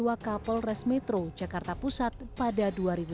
wak kapolres metro jakarta pusat pada dua ribu sembilan